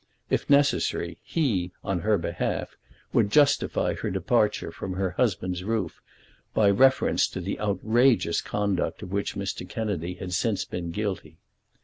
If necessary he, on her behalf, would justify her departure from her husband's roof by a reference to the outrageous conduct of which Mr. Kennedy had since been guilty.